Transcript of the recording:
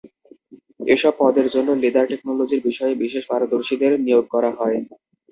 এসব পদের জন্য লেদার টেকনোলজির বিষয়ে বিশেষ পারদর্শীদের নিয়োগ করা হয়।